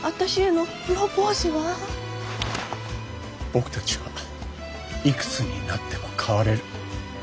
僕たちはいくつになっても変われる。